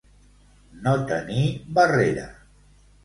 No tenir barrera.